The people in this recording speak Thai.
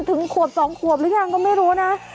ถึงขวบ๒ขวบหรือยังก็ไม่รู้นะ